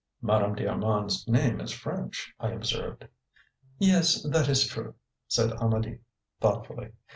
"Madame d'Armand's name is French," I observed. "Yes, that is true," said Amedee thoughtfully.